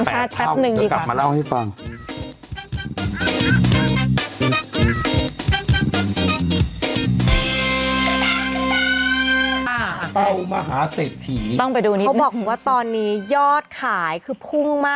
๒๘เท่าจะกลับมาเล่าให้ฟังอืม